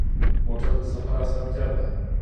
موټر د سفر اسانتیا ده.